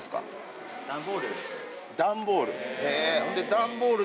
段ボール？